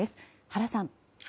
原さん。